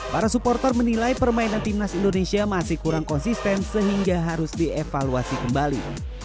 para supporter menilai permainan timnas indonesia masih kurang konsisten sehingga harus dievaluasi kembali